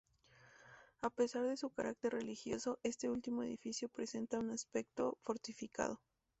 A pesar de su carácter religioso, este último edificio presenta un aspecto fortificado.